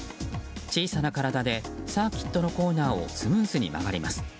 小さな体でサーキットのコーナーをスムーズに曲がります。